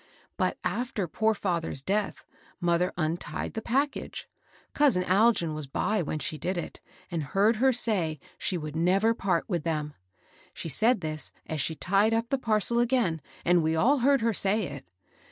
But after poor father's death, mother untied the package. Cousin Algin was by when she did it, and heard her say she would never part with them. She said this as she tied up the parcel again, and we all heard her say it.